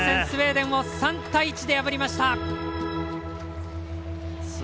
スウェーデンを３対１で破りました。